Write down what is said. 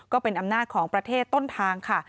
ก็เป็นอำนาจของประเทศต้นทางค่ะ